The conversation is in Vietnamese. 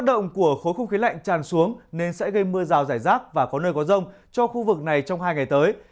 động của khối không khí lạnh tràn xuống nên sẽ gây mưa rào rải rác và có nơi có rông cho khu vực này trong hai ngày tới